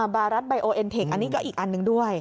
บารัสไบโอเอ็นเทคอันนี้ก็อีกอันหนึ่งด้วย